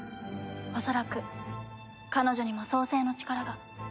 恐らく彼女にも創世の力が。